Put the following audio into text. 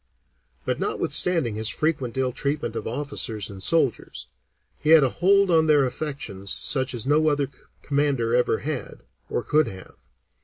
But notwithstanding his frequent ill treatment of officers and soldiers, he had a hold on their affections such as no other commander ever had, or could have.